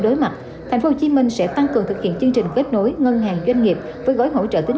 đối mặt tp hcm sẽ tăng cường thực hiện chương trình kết nối ngân hàng doanh nghiệp với gói hỗ trợ tín